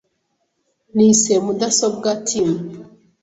Nise mudasobwa Tim .